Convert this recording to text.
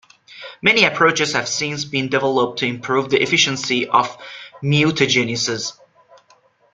Many approaches have since been developed to improve the efficiency of mutagenesis.